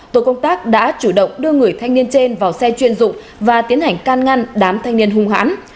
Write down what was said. tổ công tác đã chủ động đưa người thanh niên trên vào xe chuyên dụng và tiến hành can ngăn đám thanh niên hung hãn